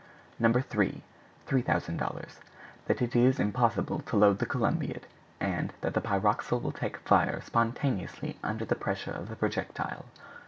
No. 3 ($3,000).—That is it impossible to load the Columbiad, and that the pyroxyle will take fire spontaneously under the pressure of the projectile.